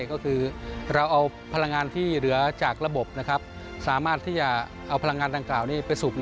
ก็คือเราเอาพลังงานที่เหลือจากระบบนะครับ